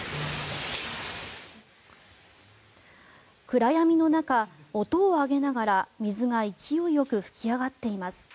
暗闇の中、音を上げながら水が勢いよく噴き上がっています。